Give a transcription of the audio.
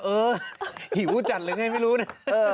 เออหิวจัดหรือไงไม่รู้นะ